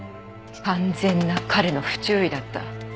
完全な彼の不注意だった。